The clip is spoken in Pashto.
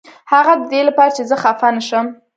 هغه ددې لپاره چې زه خفه نشم.